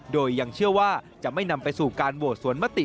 โดยยังเชื่อว่าจะไม่นำไปสู่การโหวตสวนมติ